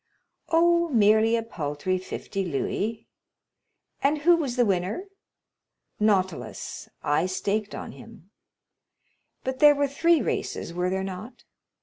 "Oh, merely a paltry fifty louis." "And who was the winner?" "Nautilus. I staked on him." "But there were three races, were there not?"